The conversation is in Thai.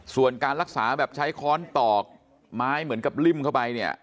ส่วนการรักษาแบบใช้ค้อนตอกไม้เหมือนกับริ่มเข้าไปเนี่ย